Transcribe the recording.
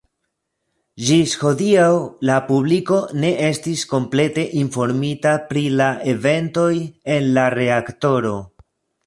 Ĝis hodiaŭ la publiko ne estis komplete informita pri la eventoj en la reaktoro.